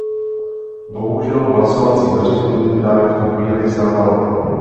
Bohužel hlasovací zařízení právě v tu chvíli selhalo.